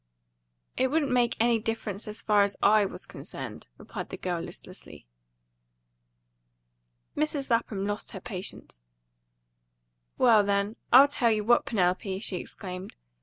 "It wouldn't make any difference as far as I was concerned," replied the girl listlessly. Mrs. Lapham lost her patience. "Well, then, I'll tell you what, Penelope!" she exclaimed.